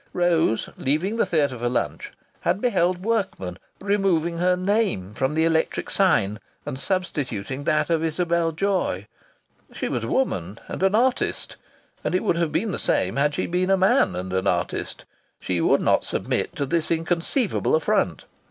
Rose, leaving the theatre for lunch, had beheld workmen removing her name from the electric sign and substituting that of Isabel Joy! She was a woman and an artist, and it would have been the same had she been a man and an artist. She would not submit to this inconceivable affront.